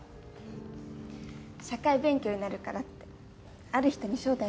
社会勉強になるからってある人に招待されたの。